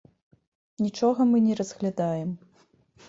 Нічога мы не разглядаем.